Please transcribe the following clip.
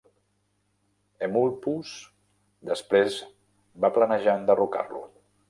Eumolpus després va planejar enderrocar-lo.